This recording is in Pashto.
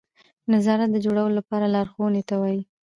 نظارت د جوړولو لپاره لارښوونې ته وایي.